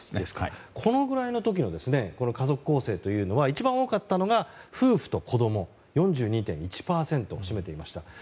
このぐらいの時の家族構成というのは一番多かったのは夫婦と子供で４２．１％を占めていました。